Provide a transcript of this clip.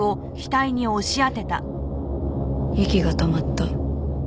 息が止まった。